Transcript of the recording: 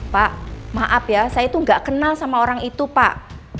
pak maaf ya saya itu nggak kenal sama orang itu pak